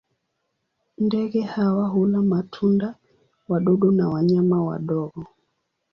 Ndege hawa hula matunda, wadudu na wanyama wadogo.